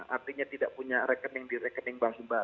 artinya tidak punya rekening di rekening bank sembah